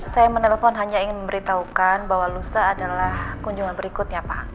saya menelpon hanya ingin memberitahukan bahwa lusa adalah kunjungan berikutnya pak